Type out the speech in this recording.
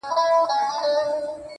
قربانو زه له پيغورو بېرېږم.